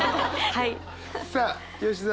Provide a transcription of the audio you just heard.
はい。